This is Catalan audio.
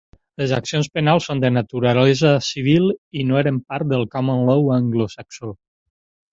Les accions penals són de naturalesa civil i no eren part del "common law" anglosaxó.